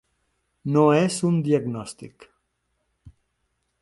No és un diagnòstic.